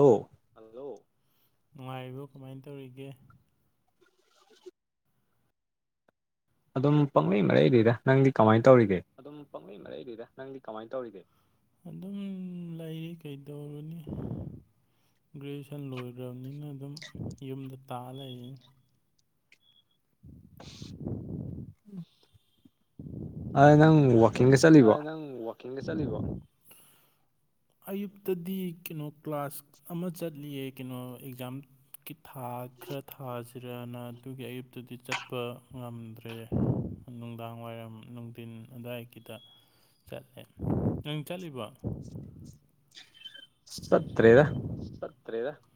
ꯍ ꯍꯜꯂꯣ ꯅꯨꯡꯉꯥꯏꯔꯤꯕꯣ ꯀꯃꯥꯏꯅ ꯇꯧꯔꯤꯒꯦ ꯑꯗꯨꯝ ꯄꯪꯂꯂꯩ ꯃꯔꯩꯗꯤꯗ ꯅꯪꯗꯤ ꯀꯃꯥꯏꯅ ꯇꯧ ꯑꯗꯨꯝ ꯄꯪ ꯃ ꯃꯔ ꯂꯩꯗꯔꯥ ꯅꯪꯗꯤ ꯀꯃꯥꯏꯅ ꯇꯧꯔꯤꯒꯦ ꯑꯗꯨꯝ ꯂꯩꯔꯤ ꯀꯩꯗꯧꯔꯅꯤ ꯒ꯭ꯔꯦꯖꯨꯑꯦꯁꯟ ꯂꯣꯏꯈ꯭ꯔꯕꯅꯤꯅ ꯑꯗꯨꯝ ꯌꯨꯝꯗ ꯇꯥꯑ ꯂꯩꯔꯤꯅꯤ [unintelligible] ꯑ ꯅꯪ ꯋꯥ ꯑ ꯅꯪ ꯋꯥꯀꯤꯡꯒ ꯆꯠꯂꯤꯕꯣ ꯑꯌꯨꯛꯇꯗꯤ ꯀꯩꯅꯣ ꯀ꯭ꯂꯥꯁ ꯑꯃ ꯆꯠꯂꯤꯌꯦ ꯀꯩꯅꯣ ꯑꯦꯛꯖꯥꯝ ꯀ ꯊꯥ ꯈꯔ ꯊꯥꯁꯤꯔꯅ ꯑꯗꯨꯒꯤ ꯑꯌꯨꯛꯇꯗꯤ ꯆꯠꯄ ꯉꯝꯗ꯭ꯔꯦ ꯅꯨꯡꯗꯥꯡ ꯋꯥꯏꯔꯝ ꯅꯨꯡꯊꯤꯟ ꯑꯗꯨꯋꯥꯏ ꯒꯤꯗ ꯆꯠꯂꯦ ꯅꯪ ꯆꯠꯂꯤꯕꯣ ꯆꯠꯇ꯭ꯔꯦꯗ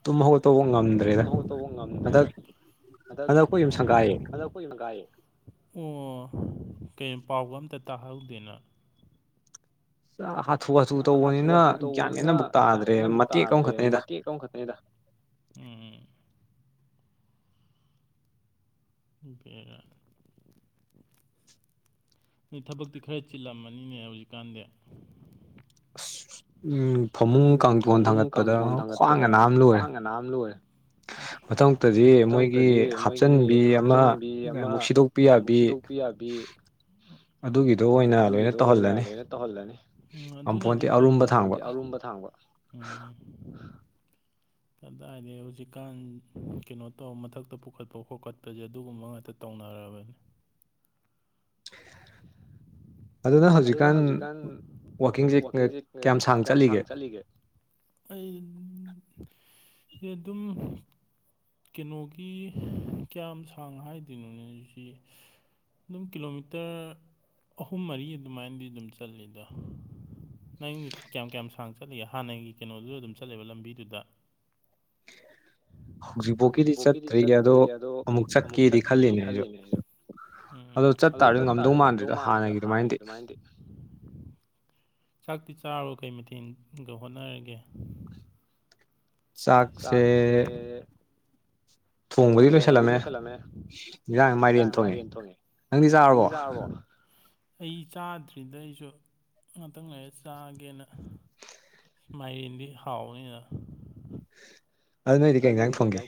ꯇꯨꯝ ꯍꯧꯒꯠꯇꯧꯕ ꯉꯝꯗ꯭ꯔꯦꯗ ꯍꯟꯗꯛ ꯍꯟꯗꯛ ꯍꯟꯗꯛ ꯈꯣꯏ ꯏꯌꯝꯅ ꯀꯥꯏꯌꯦ ꯑꯣ ꯀꯩ ꯄꯥꯎꯒ ꯑꯝꯇ ꯇꯥꯍꯧꯗꯦꯅ ꯆꯥ ꯍꯥ ꯆꯥ ꯍꯥꯊꯨ ꯍꯥꯊꯨ ꯇꯧꯕꯅꯤꯅ ꯒ꯭ꯌꯥꯟꯃꯦꯟ ꯑꯃꯕꯨꯛ ꯇꯥꯗ꯭ꯔꯦ ꯃꯇꯦꯛ ꯑꯃꯈꯛꯇꯅꯦꯗꯥ ꯎꯝ ꯕꯦꯔꯥ ꯅꯣꯏ ꯊꯕꯛꯇꯤ ꯈꯔ ꯆꯤꯜꯂꯝꯃꯅꯤꯅꯦ ꯍꯧꯖꯤꯛꯀꯥꯟꯗꯤ ꯎꯝ ꯐꯃꯨꯡ ꯀꯥꯡꯊꯣꯟ ꯊꯥꯡꯒꯠꯄꯗ ꯈ꯭ꯋꯥꯡꯒ ꯅꯥꯝꯅ ꯂꯣꯏꯔꯦ [inaudible] ꯃꯊꯪꯃꯨꯛꯇꯗꯤ ꯃꯣꯏꯒꯤ ꯍꯥꯞꯆꯤꯟꯕꯤ ꯑꯃ ꯑꯃꯨꯛ ꯁꯤꯗꯣꯛꯄꯤ ꯌꯥꯕꯤ [inaudible] ꯑꯗꯨꯒꯤꯗꯣ ꯑꯣꯏꯅ ꯂꯣꯏꯅ ꯇꯧꯍꯜꯂꯅꯤ ꯉꯝꯄꯣꯟꯇꯦ ꯑꯔꯨꯝꯕ ꯊꯥꯡꯕ ꯑꯔꯨꯝꯕ ꯊꯥꯡꯕ ꯎꯝ ꯀꯗꯥꯏꯗꯩꯩ ꯍꯧꯖꯤꯛꯀꯥꯟ ꯀꯩꯅꯣ ꯇꯧ ꯃꯊꯛꯇ ꯄꯨꯈꯠꯄ ꯈꯣꯠꯀꯠꯄꯁꯦ ꯑꯗꯨꯒꯨꯝꯕ ꯉꯥꯛꯇ ꯇꯧꯅ ꯔꯥꯕꯟ [unintelligible] [inaudible] ꯑꯗꯨꯅ ꯍꯧꯖꯤꯛꯀꯥꯟ ꯋꯥꯀꯤꯡꯁꯦ ꯀꯌꯥꯝ ꯁꯥꯡꯅ ꯆꯠꯂꯤꯒꯦ ꯑꯩ ꯑꯩ ꯑꯗꯨꯝ ꯀꯩꯅꯣꯒꯤ ꯀꯌꯥꯝ ꯁꯥꯡꯅ ꯍꯥꯏꯗꯣꯏꯅꯣꯅꯦ ꯑꯁꯤ ꯗꯨꯝ ꯀꯤꯂꯣꯃꯤꯇꯔ ꯑꯍꯨꯝ ꯃꯔꯤ ꯑꯗꯨꯃꯥꯏꯅꯗꯤ ꯗꯨꯝ ꯆꯠꯂꯤꯗ ꯅꯪ ꯀꯌꯥꯝ ꯀꯌꯥꯝ ꯁꯥꯡꯅ ꯆꯠꯂꯤꯒꯦ ꯍꯥꯟꯅꯒꯤ ꯀꯩꯅꯣꯗꯨꯗ ꯗꯨꯝ ꯆꯠꯂꯤꯕ ꯂꯝꯕꯤꯗꯨꯗ ꯍꯧꯖꯤꯛꯐꯥꯎꯒꯤꯗꯤ ꯆꯠꯇ꯭ꯔꯤ ꯑꯗꯣ ꯑꯃꯨꯛ ꯆꯠꯀꯦꯗꯤ ꯈꯜꯂꯤꯅꯦ ꯑꯩꯁꯨ ꯎꯝ ꯑꯗꯨ ꯆꯠꯇꯥꯥꯔꯗꯤ ꯉꯝꯗꯧ ꯃꯥꯟꯗ꯭ꯔꯤꯗ ꯍꯥꯟꯅꯒꯤ ꯗꯨꯃꯥꯏꯅꯗꯤ ꯆꯥꯛꯇꯤ ꯆꯥꯔꯕꯣ ꯀꯩ ꯃꯊꯦꯟ ꯒ ꯍꯣꯠꯅꯔꯒꯦ ꯆꯥꯛꯁꯦ ꯊꯣꯡꯕꯗꯤ ꯂꯣꯏꯁꯤꯜꯂꯝꯃꯦ ꯏꯟꯁꯥꯡ ꯃꯥꯏꯔꯦꯟ ꯊꯣꯡꯉꯦ ꯅꯪꯗꯤ ꯆꯥꯔꯕꯣ ꯑꯩ ꯆꯥꯗ꯭ꯔꯤꯗ ꯑꯩꯁꯨ ꯉꯥꯛꯇꯪ ꯂꯩꯔ ꯆꯥꯒꯦꯅ ꯃꯥꯏꯔꯦꯟꯗꯤ ꯍꯥꯎꯅꯤꯅ ꯑꯗꯨ ꯅꯣꯏꯗꯤ ꯀꯩ ꯏꯟꯁꯥꯡ ꯊꯣꯡꯒꯦ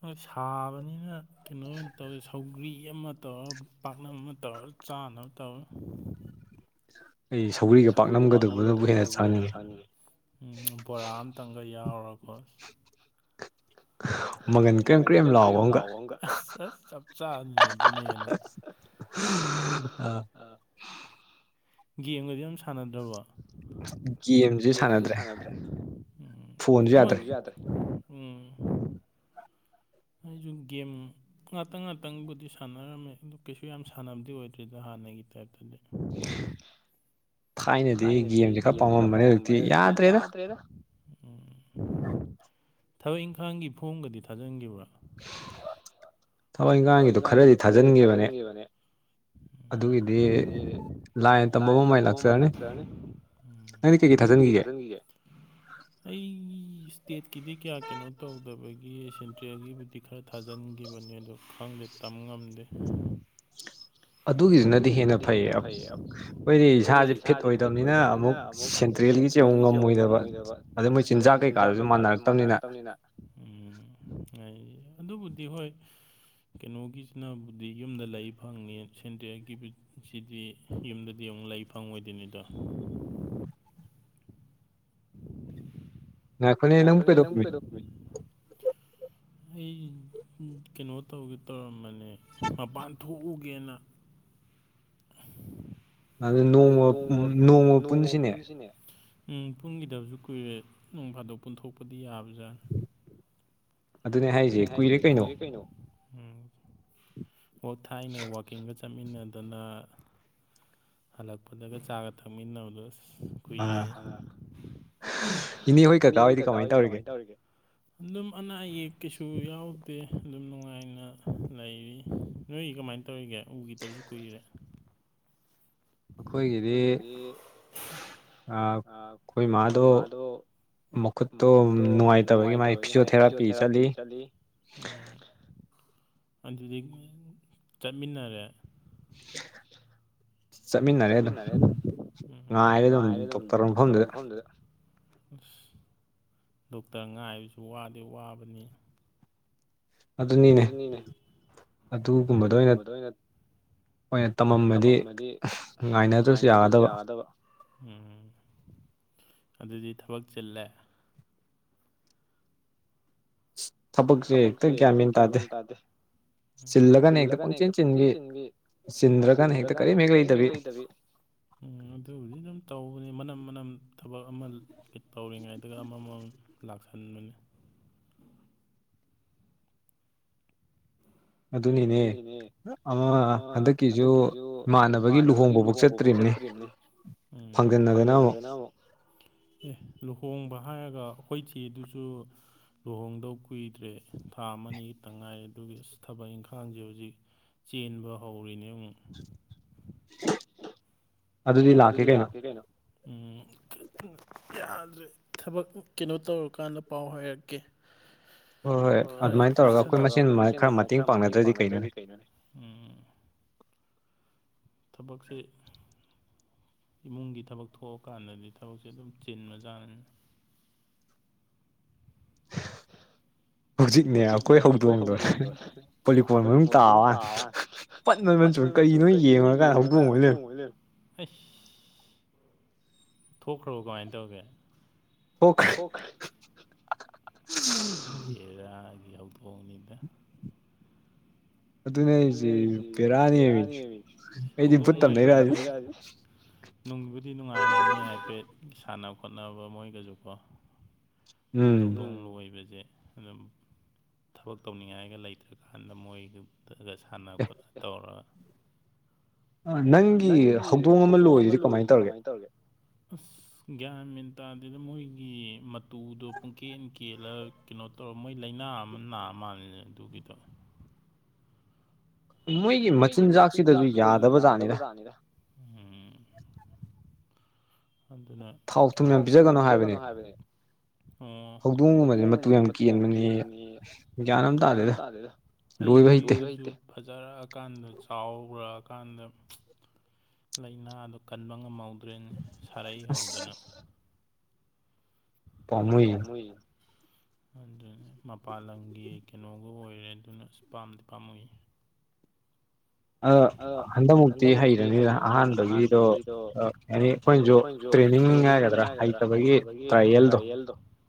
ꯍꯣꯏ ꯁꯥꯕꯅꯤꯅ ꯀꯩꯅꯣ ꯑꯣꯏꯅ ꯇꯧꯋꯦ ꯁꯧꯒꯔ꯭ꯤ ꯑꯃ ꯇꯧꯔ ꯄꯥꯛꯅꯝ ꯑꯃ ꯇꯧꯔ ꯆꯥꯅꯕ ꯇꯧꯔ ꯑꯩ ꯁꯧꯒ꯭ꯔꯤꯒ ꯄꯥꯛꯅꯝꯒꯗꯨꯕꯨꯅꯕꯨ ꯍꯦꯟꯅ ꯆꯥꯅꯤꯡꯏ ꯎꯝ ꯕꯣꯔꯥ ꯑꯃꯇꯪꯒ ꯌꯥꯎꯔ [inaudible] ꯃꯪꯒꯟ ꯀ꯭ꯔꯦꯝ ꯀꯔ꯭ꯦꯝ ꯂꯥꯎꯕ ꯑꯃꯒ ꯑꯁ ꯑꯥ ꯆꯞ ꯆꯥꯕꯤꯅꯤ ꯑꯗꯨꯅ ꯍꯦꯟꯅꯥ [inaudible] ꯑꯥ ꯒꯦꯝꯒꯗꯤ ꯑꯝ ꯁꯥꯟꯅꯗ꯭ꯔꯕꯣ ꯒꯦꯝꯁꯦ ꯁꯥꯟꯅꯗ꯭ꯔꯦ ꯐꯣꯟꯁꯨ ꯌꯥꯗ꯭ꯔꯦ ꯎꯝ ꯑꯩꯁꯨ ꯒꯦꯝ ꯉꯥꯛꯇꯪ ꯉꯥꯛꯇꯪꯕꯨꯗꯤ ꯁꯥꯟꯅꯔꯝꯃꯦ ꯑꯗꯨ ꯀꯩꯁꯨ ꯌꯥꯝ ꯁꯥꯟꯅꯕꯗꯤ ꯑꯣꯏꯗꯦꯗ ꯍꯥꯟ ꯑꯥꯟꯅꯒꯤ ꯇꯥꯏꯞꯇꯗꯤ ꯊꯥꯏꯅꯗꯤ ꯒꯦꯝꯁꯦ ꯈꯔ ꯄꯥꯝꯃꯝꯕꯅꯦ ꯍꯧꯖꯤꯛꯇꯤ ꯌꯥꯗ꯭ꯔꯦꯗ ꯎꯝ ꯊꯕꯛ ꯏꯪꯈꯥꯡꯒꯤ ꯐꯣꯝꯒꯗꯤ ꯊꯥꯖꯤꯟꯒꯤꯕ꯭ꯔꯥ [inaudible] ꯊꯕꯛ ꯏꯟꯈꯥꯡꯒꯤꯗꯨ ꯈꯔꯗꯤ ꯊꯥꯖꯤꯟꯒꯤꯕꯅꯤ ꯑꯗꯨꯒꯤꯗꯤ ꯂꯥꯏꯅ ꯇꯝꯕ ꯑꯃ ꯃꯥꯏ ꯂꯥꯛꯆꯔꯅꯤ ꯅꯪꯗꯤ ꯀꯩ ꯀꯩ ꯊꯥꯖꯟꯈꯤꯒꯦ ꯑꯩ ꯁꯇꯦꯠꯀꯤꯗꯤ ꯀꯌꯥ ꯀꯩꯅꯣ ꯇꯧꯗꯕꯒꯤ ꯁꯦꯟꯇ꯭ꯔꯦꯜꯒꯤꯕꯨ ꯤ ꯈꯔ ꯊꯥꯖꯤꯟꯈꯤꯕꯅꯤ ꯑꯗꯣ ꯈꯪꯗꯦ ꯇꯝ ꯉꯝꯗꯦ ꯑꯗꯨꯒꯤꯗꯨꯅꯗꯤ ꯍꯦꯟꯅ ꯐꯩꯌꯦ ꯑꯩꯈꯣꯏꯗꯤ ꯏꯁꯥꯁꯦ ꯐꯤꯠ ꯑꯣꯏꯗꯕꯅꯤꯅ ꯑꯃꯨꯛ ꯁꯦꯟꯇ꯭ꯔꯦꯜꯒꯤ ꯇ꯭ꯔꯦꯜꯒꯤ ꯆꯦꯡ ꯉꯝꯃꯣꯏꯗꯕ ꯑꯗꯨ ꯃꯣꯏ ꯆꯤꯟꯖꯥꯛ ꯀꯩꯀꯥꯗꯨꯁꯨ ꯃꯥꯟꯅꯔꯛꯇꯕꯅꯤꯅ ꯎꯝ ꯎꯝ ꯍꯥꯏ ꯑꯗꯨꯕꯨꯗꯤ ꯍꯣꯏ ꯀꯩꯅꯣꯒꯤꯁꯤꯅꯕꯨꯗꯤ ꯌꯨꯝꯗ ꯂꯩ ꯐꯪꯅꯤ ꯁꯦꯟꯇꯔꯦꯜꯒꯤꯁꯤꯗꯤ ꯌꯨꯝꯗꯗꯤ ꯂꯩ ꯐꯪꯉꯣꯏꯗꯣꯏꯅꯤꯗꯣ ꯉꯥꯏꯈꯣꯅꯦ ꯅꯪꯕꯨ ꯀꯩꯗꯧꯔꯤꯅꯣ ꯑꯩ ꯀꯩꯅꯣ ꯇꯧꯒꯦ ꯇꯧꯔꯝꯕꯅꯦ ꯃꯄꯥꯟ ꯊꯣꯛꯎꯒꯦꯅ [unintelligible] ꯑꯗꯨ ꯅꯣꯡꯃ ꯅꯣꯡꯃ ꯄꯨꯟꯁꯤꯅꯦ ꯎꯝ ꯄꯨꯟꯈꯤꯗꯕꯁꯨ ꯀꯨꯏꯔꯦ ꯅꯣꯡ ꯐꯥꯗꯣꯛ ꯄꯨꯟꯊꯣꯛꯄꯗꯤ ꯌꯥꯕꯖꯥꯅꯦ ꯑꯗꯨꯅꯦ ꯍꯥꯏꯔꯤꯁꯦ ꯀꯨꯏꯔꯦ ꯀꯩꯅꯣ ꯎꯝ ꯊꯥꯏꯅ ꯋꯥꯀꯤꯡ ꯆꯠꯃꯤꯟꯅꯗꯅ ꯍꯜꯂꯛꯄꯗꯒ ꯆꯥꯒ ꯊꯛꯃꯤꯟꯅꯕꯗꯣ ꯀꯨꯏꯔꯦꯅꯦ ꯏꯅꯦ ꯍꯣꯏ ꯀꯀꯥ ꯍꯣꯏꯗꯤ ꯀꯃꯥꯏꯅ ꯇꯧꯔꯤꯒꯦ ꯑꯗꯨꯝ ꯑꯅꯥ ꯑꯌꯦꯛ ꯀꯩꯁꯨ ꯌꯥꯎꯗꯦ ꯑꯗꯨꯝ ꯅꯨꯡꯉꯥꯏꯅ ꯂꯩꯔꯤ ꯅꯣꯏꯒꯤ ꯀꯃꯥꯏꯅ ꯇꯧꯔꯤꯒꯦ ꯎꯈꯤꯗꯕꯁꯨ ꯀꯨꯏꯔꯦ ꯑꯩꯈꯣꯏꯒꯤꯗꯤ ꯈꯣꯏ ꯏꯃꯥꯗꯣ ꯃꯈꯨꯠꯇꯣ ꯅꯨꯡꯉꯥꯏꯇꯕꯒꯤ ꯃꯥꯥꯏ ꯐꯤꯖꯣꯊꯦꯔꯥꯄꯤ ꯆꯠꯂꯤ ꯑꯗꯨꯗꯤ ꯆꯠꯃꯤꯟꯅꯔꯦ ꯆꯠꯃꯤꯟꯅꯔꯦ ꯑꯗꯨꯝ ꯉꯥꯏꯔꯦ ꯑꯗꯨꯝ ꯗꯣꯛꯇꯔ ꯃꯐꯝꯗꯨꯗ ꯑꯁ ꯗꯣꯛꯇꯔ ꯉꯥꯏꯕꯁꯨ ꯋꯥꯗꯤ ꯋꯥꯕꯅꯤ ꯑꯗꯨꯅꯤꯅꯦ ꯑꯗꯨꯒꯨꯝꯕꯗ ꯑꯣꯏꯅ ꯑꯣꯏꯅ ꯇꯝꯃꯝꯃꯗꯤ ꯉꯥꯏꯅꯗ꯭ꯔꯁꯨ ꯌꯥꯒꯗꯕ ꯎꯝ ꯑꯗꯨꯗꯤ ꯊꯕꯛ ꯆꯤꯜꯂꯦ ꯊꯕꯛꯁꯦ ꯍꯦꯛꯇ ꯒ꯭ꯌꯥꯟ ꯃꯦꯟ ꯇꯥꯗꯦ ꯆꯤꯜꯂꯒꯅ ꯍꯦꯛꯇ ꯄꯪꯆꯤꯟ ꯆꯤꯟꯕꯤ ꯆꯤꯟꯗ꯭ꯔꯀꯥꯟꯅ ꯍꯦꯛꯇ ꯀꯔꯤꯝ ꯍꯦꯛ ꯂꯩꯇꯕꯤ ꯎꯝ ꯑꯗꯨꯕꯨꯗꯤ ꯑꯗꯨꯝ ꯇꯧ ꯃꯅꯝ ꯃꯅꯝ ꯊꯕꯛ ꯑꯃꯒꯤ ꯇꯧꯔꯤꯉꯩꯗꯒ ꯑꯃꯃꯝ ꯂꯥꯛꯁꯟꯕꯅꯤ ꯑꯗꯨꯅꯤꯅꯦ ꯑꯃ ꯍꯟꯗꯛꯀꯤꯁꯨ ꯏꯃꯥꯟꯅꯕꯒꯤ ꯂꯨꯍꯣꯡꯕ ꯐꯥꯎ ꯆꯠ ꯇꯔꯤꯝꯅꯤ ꯐꯥꯡꯖꯟꯅꯗꯅ ꯑꯃꯨꯛ ꯑꯦ ꯂꯨꯍꯣꯡꯕ ꯍꯥꯏꯔꯒ ꯑꯩꯈꯣꯏ ꯆꯦꯗꯨꯁꯨ ꯂꯨꯍꯣꯡꯗꯧ ꯀꯨꯏꯗ꯭ꯔꯦ ꯊꯥ ꯑꯃꯅꯤꯒꯤ ꯇꯪ ꯉꯥꯏꯔꯦ ꯑꯗꯨꯒꯤ ꯑꯁ ꯊꯕꯛ ꯏꯪꯈꯥꯡ ꯈꯥꯡꯁꯦ ꯍꯧꯖꯤꯛ ꯆꯦꯟꯕ ꯍꯧꯔꯤꯅꯦ ꯑꯃꯨꯛ ꯑꯗꯨꯗꯤ ꯂꯥꯛꯀꯦ ꯀꯩꯅꯣ ꯎꯝ ꯊꯕꯛ ꯀꯩꯅꯣ ꯇꯧꯔꯀꯥꯟꯗ ꯄꯥꯎ ꯍꯥꯏꯔꯛꯀꯦ ꯑꯣ ꯑꯗꯨꯃꯥꯏꯅ ꯇꯧꯔꯒ ꯑꯩꯈꯣꯏ ꯃꯁꯦꯟ ꯑꯗꯨꯃꯥꯏꯅ ꯈꯔ ꯃꯇꯦꯡ ꯄꯥꯡꯅꯗ꯭ꯔꯗꯤ ꯀꯩꯅꯣꯅꯦ [inaudible] ꯊꯕꯛꯁꯤ ꯏꯃꯨꯡꯒꯤ ꯊꯕꯛ ꯊꯣꯛꯑꯀꯥꯟꯗꯗꯤ ꯊꯕꯛꯁꯦ ꯑꯗꯨꯝ ꯆꯤꯟꯕꯖꯥꯅꯤꯅꯦ [unintelligible] ꯍꯧꯖꯤꯛꯅꯦ ꯑꯩꯈꯣꯏ ꯍꯧꯗꯣꯡꯗꯣ ꯄꯣꯂꯤꯀꯣꯟꯜ ꯃꯅꯨꯡ ꯇꯥꯕ ꯋꯥꯅꯤ ꯐꯟ ꯐꯟ ꯆꯣꯡꯉꯦ ꯀꯔꯤꯅꯣ ꯌꯦꯡꯉꯨꯔꯀꯥꯟꯗ ꯍꯧꯗꯣꯡ ꯑꯣꯏ ꯂꯩꯔꯝꯃꯦ ꯑꯩ ꯊꯣꯛꯈ꯭ꯔꯕꯣ ꯀꯃꯥꯏꯅ ꯇꯧꯒꯦ ꯊꯣꯛꯈꯔꯦ ꯕꯦꯔꯥꯒꯤ ꯍꯧꯗꯣꯡꯅꯤꯗ ꯑꯗꯨꯅꯦ ꯍꯥꯏꯁꯦ ꯕꯦꯔꯥꯅꯦꯃꯦ ꯑꯩꯗꯤ ꯕꯨꯠ ꯇꯝꯅꯩꯔꯁꯤꯅꯤ ꯅꯨꯡꯗꯨꯕꯨꯗꯤ ꯅꯨꯡꯉꯥꯏꯔꯝꯅꯦ ꯍꯥꯏꯐꯦꯠ ꯁꯥꯟꯅ ꯈꯣꯠꯅꯕ ꯃꯣꯏꯒꯁꯨꯀꯣ ꯍꯨꯏ ꯍꯧꯗꯣꯡ ꯂꯣꯏꯕꯁꯦ ꯑꯗꯨꯝ ꯊꯕꯛ ꯇꯧꯅꯤꯡꯉꯥꯏꯒ ꯂꯩꯇ꯭ꯔꯀꯥꯟꯗ ꯃꯣꯏꯒ ꯑꯗꯨꯒ ꯁꯥꯟꯅ ꯈꯣꯠꯅ ꯇꯧꯔ ꯅꯪꯒꯤ ꯍꯧꯗꯣꯡ ꯑꯃ ꯂꯣꯏꯗꯨꯗꯤ ꯀꯃꯥꯏꯅ ꯇꯧꯔꯤꯒꯦ ꯑꯁ ꯒ꯭ꯌꯥꯟ ꯃꯤꯦꯟ ꯇꯥꯗꯗ ꯃꯣꯏꯒꯤ ꯇꯨꯗꯣ ꯄꯨꯡꯀꯦꯟ ꯀꯦꯜꯂ ꯀꯩꯅꯣ ꯇꯧꯔ ꯃꯣꯏ ꯂꯥꯏꯅꯥ ꯑꯃ ꯅꯥꯑ ꯃꯥꯜꯜꯂꯤꯅꯦ ꯑꯗꯨꯒꯤꯗ [unintelligible] ꯃꯣꯏꯒꯤ ꯃꯆꯤꯟꯖꯥꯛꯁꯤꯗꯁꯨ ꯌꯥꯗꯕ ꯖꯥꯠꯅꯤꯗ ꯎꯝ ꯑꯗꯨꯅꯥꯎ ꯊꯨꯝꯌꯥꯝ ꯄꯤꯖꯒꯅꯣ ꯍꯥꯏꯕꯅꯦ ꯎ ꯍꯧꯗꯣꯡꯒꯨꯝꯕꯅꯦ ꯃꯇꯨ ꯌꯥꯝ ꯀꯦꯟꯕꯅꯦ ꯒ꯭ꯌꯥꯟ ꯑꯃ ꯇꯥꯗꯦꯗ ꯑꯩ ꯍꯨꯏ ꯐꯖꯔꯛꯑꯀꯥꯟꯗ ꯆꯥꯎꯔꯛꯑꯀꯥꯟꯗ ꯂꯥꯏꯅꯥ ꯑꯗꯨ ꯀꯟꯕ ꯉꯝꯍꯧꯗ꯭ꯔꯦ ꯁꯥꯔꯛꯏ ꯍꯧꯗꯨꯅ ꯀꯃꯣꯏ ꯑꯗꯨꯅ ꯃꯄꯥꯟ ꯂꯝꯒꯤ ꯀꯩꯅꯣꯒ ꯑꯣꯏꯔꯦ ꯑꯗꯨꯅ ꯑꯁ ꯄꯥꯝꯗꯤ ꯄꯥꯝꯃꯨꯏ ꯑ ꯍꯟꯗꯛꯃꯨꯛꯇꯤ ꯍꯩꯔꯅꯤꯅ ꯑꯍꯥꯟꯕꯒꯤꯗꯣ ꯀꯅꯤ ꯑꯩꯈꯣꯏꯅꯁꯨ ꯇ꯭ꯔꯦꯅꯤꯡ ꯍꯥꯏꯒꯗ꯭ꯔꯥ ꯍꯩꯇꯕꯒꯤ ꯇ꯭ꯔꯥꯌꯦꯜꯗꯣ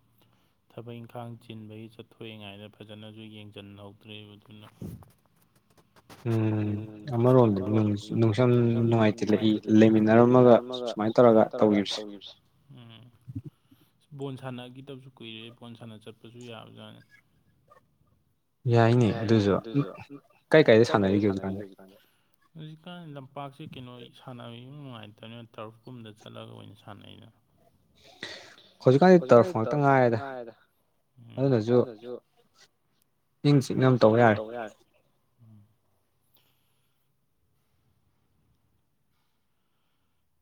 [unintelligible] ꯊꯕꯛ ꯏꯪꯈꯥꯡ ꯆꯤꯟꯕꯒꯤ ꯆꯠꯊꯣꯛꯑꯏꯉꯥꯏꯅ ꯐꯖꯅꯁꯨ ꯌꯦꯡꯁꯤꯟꯍꯧꯗ꯭ꯔꯦ ꯑꯗꯨꯅ ꯎꯝ ꯑꯃꯔꯣꯝꯗ ꯅꯨꯡꯁꯝ ꯅꯨꯡꯉꯥꯏꯇꯤꯜꯂꯛꯏ ꯂꯩꯃꯤꯟꯅꯔꯝꯃꯒ ꯁꯨꯃꯥꯏꯅ ꯇꯧꯔꯒ ꯇꯧꯈꯤꯕꯁꯦ ꯎꯝ ꯕꯣꯜ ꯁꯥꯟꯅꯈꯤꯗꯕꯁꯨ ꯀꯨꯏꯔꯦ ꯕꯣꯜ ꯁꯥꯟꯅ ꯆꯠꯄꯁꯨ ꯌꯥꯕꯖꯥꯠꯅꯦ ꯌꯥꯏꯅꯦ ꯑꯗꯨꯁꯨ ꯀꯥꯏ ꯀꯥꯏꯗ ꯁꯥꯟꯅꯔꯤꯒꯦ ꯍꯧꯖꯤꯛꯀꯥꯟꯁ ꯍꯧꯖꯤꯛꯀꯥꯟ ꯂꯝꯄꯥꯛꯁꯤꯦ ꯀꯩꯅꯣ ꯁꯥꯟꯅꯕ ꯅꯨꯡꯉꯥꯏꯇꯕꯅꯤꯅ ꯇꯔꯐꯀꯨꯝꯗ ꯆꯠꯂꯒ ꯑꯣꯏꯅ ꯁꯥꯟꯅꯩꯗꯅ ꯍꯧꯖꯤꯛꯀꯥꯟꯗꯤ ꯇꯔꯛꯐ ꯉꯥꯛꯇ ꯉꯥꯏꯔꯦꯗ ꯑꯗꯨꯅꯁꯨ ꯏꯪ ꯆꯅꯝ ꯇꯧꯕ ꯌꯥꯔꯦ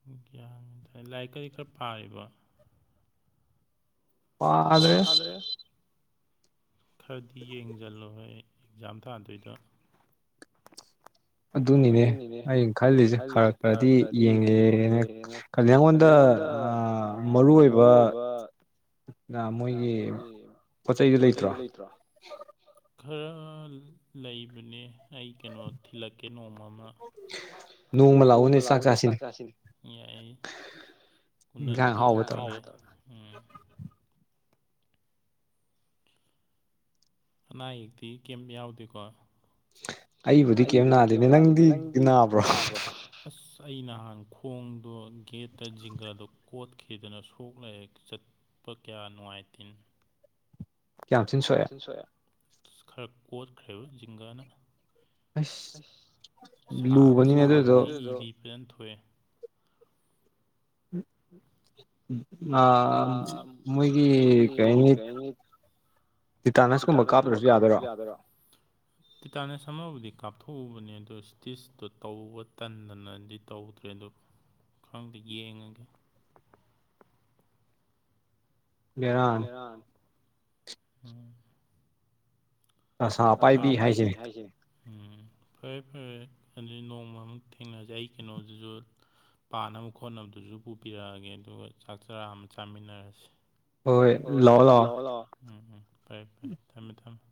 ꯌꯥꯒ꯭ꯌꯥꯅꯤ ꯇ ꯂꯥꯏꯔꯤꯛ ꯀꯔꯤ ꯈꯔ ꯄꯥꯔꯤꯕ ꯑꯗꯦ ꯈꯔꯗꯤ ꯌꯦꯡꯁꯤꯜꯂꯣꯏ ꯍꯥꯏ ꯑꯦꯛꯖꯥꯝ ꯊꯥꯗꯣꯏꯗ [unintelligible] ꯑꯗꯨꯅꯤꯅꯦ ꯑꯩꯅ ꯈꯜꯂꯤꯁꯦ ꯈꯔ ꯈꯔꯗꯤ ꯌꯦꯡꯉꯦꯅ ꯈꯜꯂꯤꯦ ꯑꯩꯉꯣꯟꯗ ꯗ ꯃꯔꯨ ꯑꯣꯏꯕ ꯃꯣꯏꯒꯤ ꯄꯣꯠ ꯆꯩꯗꯨ ꯂꯩꯇ꯭ꯔꯣ ꯈꯔ ꯂꯩꯕꯅꯦ ꯑꯩ ꯀꯩꯅꯣ ꯊꯤꯜꯂꯛꯀꯦ ꯅꯣꯡꯃ ꯅꯣꯡꯃ ꯂꯥꯛꯑꯣꯅꯦ ꯆꯥꯛ ꯆꯥꯁꯤꯅꯦ ꯌꯥ ꯀꯟꯅꯒꯤ ꯑꯅꯥ ꯑꯌꯦꯛꯇꯤ ꯀꯦꯝꯝ ꯌꯥꯎꯗꯦꯀꯣ ꯑꯩꯕꯨꯗꯤ ꯀꯦꯝꯝ ꯅꯥꯗꯦꯅꯦ ꯅꯪꯗꯤ ꯅꯥꯕ꯭ꯔꯣ ꯑ ꯑꯩ ꯅꯍꯥꯟ ꯈꯣꯡꯗꯣ ꯒꯦꯠꯇ ꯖꯤꯡꯒꯥꯗꯣ ꯀꯣꯠꯈꯤꯗꯅ ꯁꯣꯛꯂꯔ ꯆꯠ ꯄ ꯀꯌꯥ ꯅꯨꯡꯉꯥꯏꯇꯤꯟ ꯀꯌꯥꯝ ꯊꯤꯟ ꯁꯣꯛꯑꯦ ꯈꯔ ꯀꯣꯠꯈ꯭ꯔꯦꯕ ꯖꯤꯡꯒꯥꯅ ꯐꯖꯅ ꯊꯣꯛꯑꯦ ꯑ ꯃꯣꯏꯒꯤ ꯀꯥꯏꯅꯤ [unintelligible] ꯇꯤꯇꯥꯅꯁꯀꯨꯝꯕ ꯀꯥꯞꯇ꯭ꯔꯁꯨ ꯌꯥꯗꯣꯏꯔꯣ [unintelligible] ꯏꯇꯥꯅꯦꯁ ꯑꯃꯕꯨꯗꯤ ꯀꯥꯞꯊꯣꯛꯎꯕꯅꯦ ꯑꯗꯨ ꯏꯁꯇꯤꯁꯇꯣ ꯇꯧꯕ ꯇꯟꯗꯅꯗꯤ ꯇꯧꯗ꯭ꯔꯦ ꯑꯗꯨ ꯀꯥꯡꯗꯒ ꯑꯉꯒꯦ ꯦꯔꯟ ꯑꯁꯥ ꯑ ꯄꯥꯏꯕꯤ ꯍꯥꯏꯁꯦ ꯎꯝ ꯐꯔꯦ ꯐꯔꯦ ꯑꯗꯨꯗꯤ ꯅꯣꯡꯃꯃꯨꯛ ꯊꯦꯡꯅꯔꯁꯦ ꯑꯩ ꯀꯩꯅꯣꯗꯨꯁꯨ ꯄꯥꯅꯕ ꯈꯣꯠꯅꯕꯗꯨꯁꯨ ꯄꯨꯕꯤꯔꯛꯑꯒꯦ ꯑꯗꯨꯒ ꯆꯥꯛ ꯆꯔꯥ ꯑꯃ ꯆꯥꯃꯤꯟꯅꯔꯁꯤꯦ ꯍ ꯂꯑꯣ ꯂꯑꯣ ꯎꯝ ꯎꯝ ꯐꯔꯦ ꯐꯔꯦ ꯊꯝꯃꯦ ꯊꯝꯃꯦ